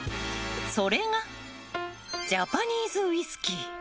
それがジャパニーズウイスキー。